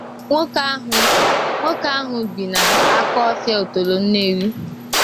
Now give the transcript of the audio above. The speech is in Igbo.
Nwoke ahụ bi na Okofia Otolo Nnewi